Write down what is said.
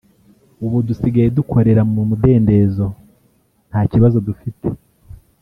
ubu dusigaye dukorera mu mudendezo nta kibazo dufite